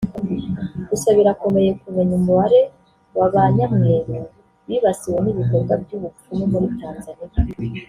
Gusa birakomeye kumenya umubare wa ba nyamweru bibasiwe n’ibikorwa by’ubupfumu muri Tanzania